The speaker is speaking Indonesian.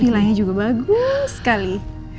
vilanya juga bagus sekali